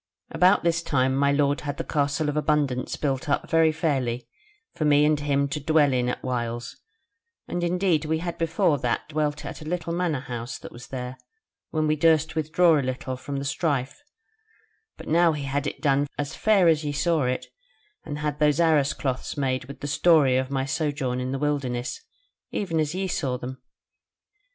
About this time my lord had the Castle of Abundance built up very fairly for me and him to dwell in at whiles; and indeed we had before that dwelt at a little manor house that was there, when we durst withdraw a little from the strife; but now he had it done as fair as ye saw it, and had those arras cloths made with the story of my sojourn in the wilderness, even as ye saw them.